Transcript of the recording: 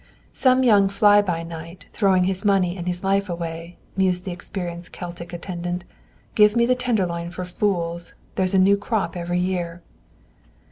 "Some young fly by night, throwing his money and his life away," mused the experienced Celtic attendant. "Give me the Tenderloin for fools. And there's a new crop every year!"